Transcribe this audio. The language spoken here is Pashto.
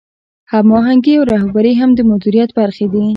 هماهنګي او رهبري هم د مدیریت برخې دي.